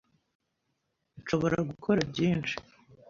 Nshobora gukora byinshi.